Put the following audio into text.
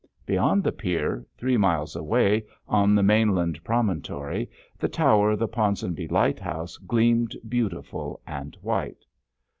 Beyond the pier, three miles away, on the mainland promontory the tower of the Ponsonby Lighthouse gleamed beautiful and white.